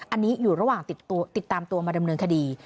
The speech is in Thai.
อันนี้อยู่ระหว่างติดตามตัวมาดำเนินคดี